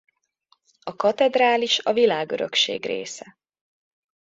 A katedrális a Világörökség része.